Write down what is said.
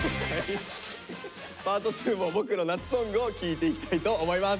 パート２も「ボクの夏ソング」を聞いていきたいと思います。